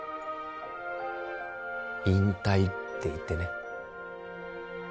引退っていってね